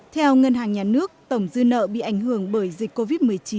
theo ngân hàng nhà nước tổng dư nợ bị ảnh hưởng bởi dịch covid một mươi chín